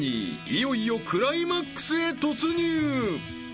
いよいよクライマックスへ突入］